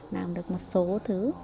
làm được một số thứ